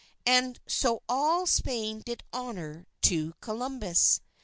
And so all Spain did honour to Columbus.